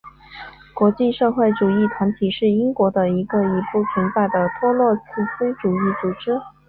国际社会主义团体是英国的一个已不存在的托洛茨基主义组织。